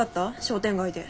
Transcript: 商店街で。